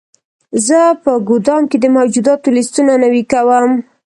زه په ګدام کې د موجوداتو لیستونه نوي کوم.